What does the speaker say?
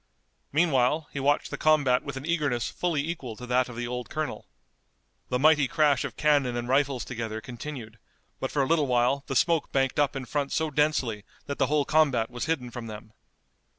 Meanwhile he watched the combat with an eagerness fully equal to that of the old colonel. The mighty crash of cannon and rifles together continued, but for a little while the smoke banked up in front so densely that the whole combat was hidden from them.